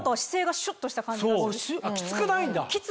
きつくないんだ？